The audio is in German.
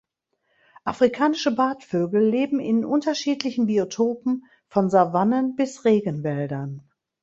Afrikanische Bartvögel leben in unterschiedlichen Biotopen von Savannen bis Regenwäldern.